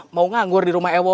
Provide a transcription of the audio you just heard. mau nganggur di rumah ewo